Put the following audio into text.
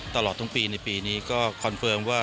ตลอดทั้งปีในปีนี้ก็คอนเฟิร์มว่า